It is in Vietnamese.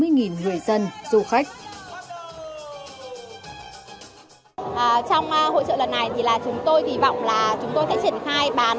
trong hội trợ lần này chúng tôi kỳ vọng là chúng tôi sẽ triển khai bán